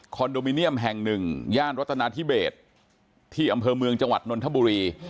โดมิเนียมแห่งหนึ่งย่านรัตนาธิเบสที่อำเภอเมืองจังหวัดนนทบุรี